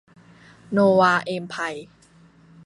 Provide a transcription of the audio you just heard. โนวา เอมไพร์